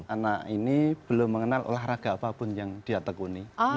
anak ini belum mengenal olahraga apapun yang dia tekuni